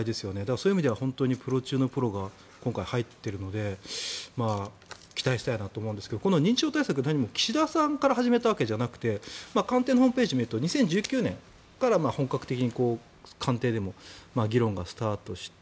そういう意味ではプロ中のプロが今回入っているので期待したいなと思うんですけどこの認知症対策は何も岸田さんから始めたわけではなくて官邸のホームページを見ると２０１９年から本格的に官邸でも議論がスタートして。